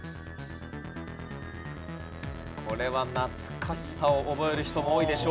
これは懐かしさを覚える人も多いでしょう。